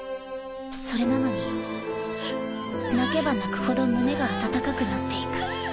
それなのに泣けば泣くほど胸が温かくなっていく。